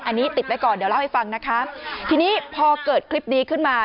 อันนี้ติดไว้ก่อนเดี๋ยวเล่าให้ฟังนะคะทีนี้พอเกิดคลิปนี้ขึ้นมา